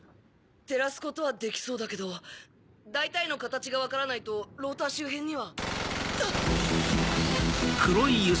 照らすことはできそうだけど大体の形が分からないとローター周辺には。